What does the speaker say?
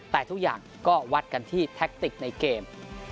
แต่ทุกอย่างก็วัดกันที่แท็กติกในเกม